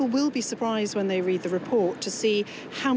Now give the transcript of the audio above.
คนจะสนใจเมื่อพูดงาน